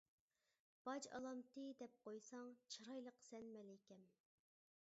باج ئالامتى دەپ قويساڭ، چىرايلىقسەن مەلىكەم.